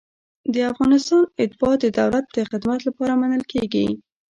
د افغانستان اتباع د دولت د خدمت لپاره منل کیږي.